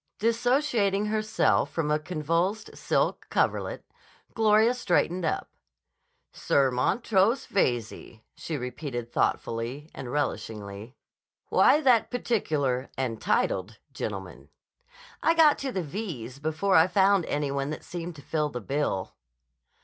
Dissociating herself from a convulsed silk coverlet, Gloria straightened up. "Sir Montrose Veyze," she repeated thoughtfully and relishingly. "Why that particular and titled gentleman?" "I got to the V's before I found any one that seemed to fill the bill."